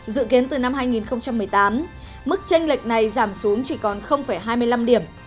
dự kiến từ năm hai nghìn một mươi tám mức tranh lệch này giảm xuống chỉ còn hai mươi năm điểm